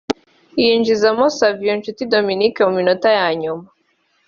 yinjizamo Savio Nshuti Dominique mu minota ya nyuma